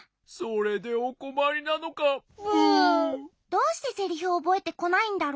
どうしてセリフをおぼえてこないんだろう？